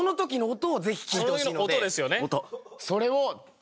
音。